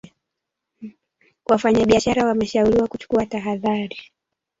wafanyabiashara wameshauriwa kuchukua tahadhari